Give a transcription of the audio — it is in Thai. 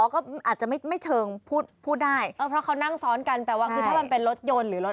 อืมแบบนี้ก็ได้เหลือ